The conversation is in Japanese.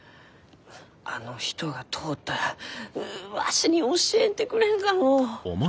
あの人が通ったらううわしに教えてくれんかのう？